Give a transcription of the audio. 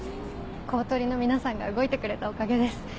公取の皆さんが動いてくれたおかげです。